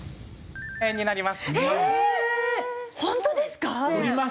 円になります。